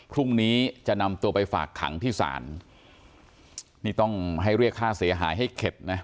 พรุ่งนี้จะนำตัวไปฝากขังที่ศาลนี่ต้องให้เรียกค่าเสียหายให้เข็ดนะ